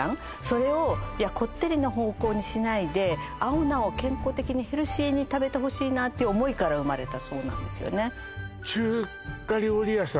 それをこってりの方向にしないで青菜を健康的にヘルシーに食べてほしいなっていう思いから生まれたそうなんですよね